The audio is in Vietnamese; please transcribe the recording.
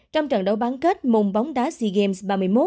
trong trận đấu bán kết môn bóng đá sea games ba mươi một